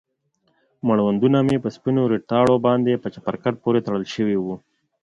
مړوندونه مې په سپينو ريتاړو باندې په چپرکټ پورې تړل سوي وو.